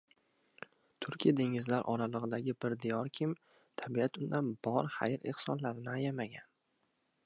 Turkiya dengizlar oralig‘idagi bir diyorkim, tabiat undan bor xayr-ehsonlarini ayamagan.